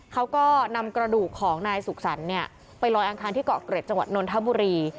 เขาก็นำกระดูกของนายสุขสรรค์ไปลอยอังคารที่เกาะเกร็ดจังหวัดนนทบุรี